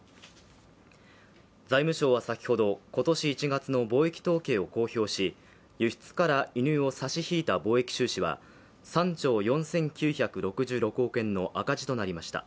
財務省は先ほど今年１月の貿易統計を公表し輸出から輸入を差し引いた貿易収支は３兆４９６６億円の赤字となりました。